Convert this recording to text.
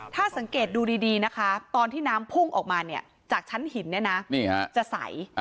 ถ้าสังเกตดูดีตอนที่น้ำพุ่งออกมาจากชั้นหินจะใส